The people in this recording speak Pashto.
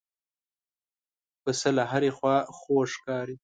پسه له هرې خوا خوږ ښکاري.